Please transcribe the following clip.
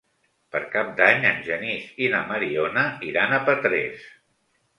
Per Cap d'Any en Genís i na Mariona iran a Petrés.